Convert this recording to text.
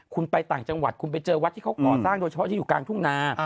คุณไปต่างจังหวัดคุณไปเจอวัดที่เขาก่อสร้างโดยเฉพาะที่อยู่กลางทุ่งนา